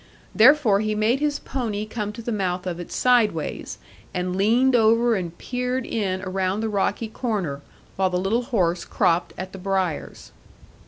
Therefore he made his pony come to the mouth of it sideways, and leaned over and peered in around the rocky corner, while the little horse cropped at the briars.